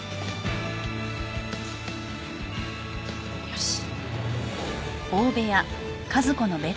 よし。